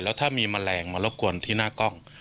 แล้วถ้ามีแมลงมารบกวนที่หน้ากล้อง